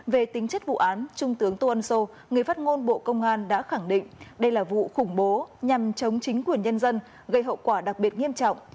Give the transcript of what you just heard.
về tính chất vụ án trung tướng tô ân sô người phát ngôn bộ công an đã khẳng định đây là vụ khủng bố nhằm chống chính quyền nhân dân gây hậu quả đặc biệt nghiêm trọng